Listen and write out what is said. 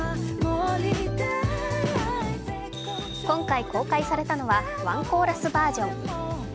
今回公開されたのはワンコーラスバージョン。